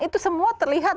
itu semua terlihat